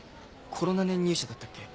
コロナ年入社だったっけ？